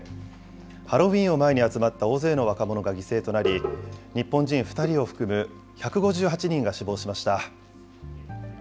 ハロウィーンを前に集まった大勢の若者が犠牲となり、日本人２人を含む１５８人が死亡しました。